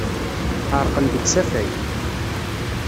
Ɛerqen deg usafag.